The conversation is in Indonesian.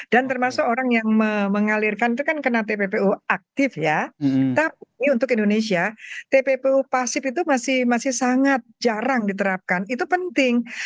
termasuk orang yang mengalirkan itu kan kena tppu aktif ya tapi untuk indonesia tppu pasif itu masih sangat jarang diterapkan itu penting